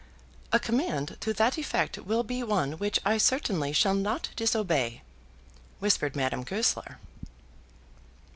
"A command to that effect will be one which I certainly shall not disobey," whispered Madame Goesler.